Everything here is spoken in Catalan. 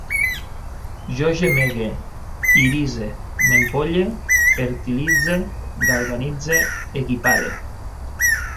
Jo gemegue, irise, m'empolle, fertilitze, galvanitze, equipare